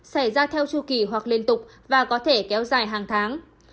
xảy ra theo chu kỳ hoặc liên tục và có thể kéo dài hàng tháng